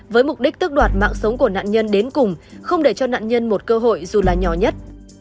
với mục đích tức đoạt mạng sống của nạn nhân đến cùng không để cho nạn nhân một cơ hội dù là nhỏ nhất